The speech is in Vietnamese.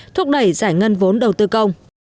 thúc đẩy giải ngân vốn đầu tư công